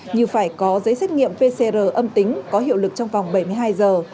như phải có giấy xét nghiệm pcr âm tính có hiệu lực trong vòng bảy mươi hai giờ